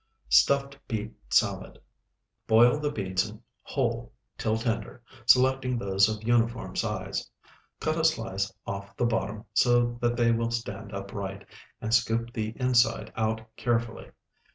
STUFFED BEET SALAD Boil the beets whole till tender, selecting those of uniform size. Cut a slice off the bottom, so that they will stand upright, and scoop the inside out carefully.